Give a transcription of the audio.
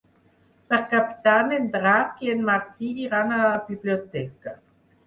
Per Cap d'Any en Drac i en Martí iran a la biblioteca.